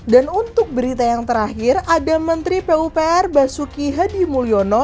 dan untuk berita yang terakhir ada menteri pupr basuki hedimulyono